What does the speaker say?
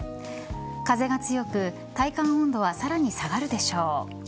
風が強く体感温度はさらに下がるでしょう。